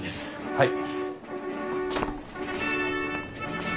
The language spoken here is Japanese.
はい。